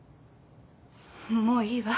もういいわ。